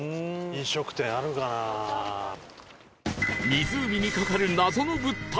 湖にかかる謎の物体